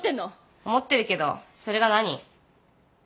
思ってるけどそれが何？